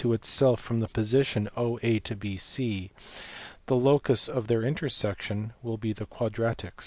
itself from the position OA to BC, the locus of their inter section will be the quadra trix.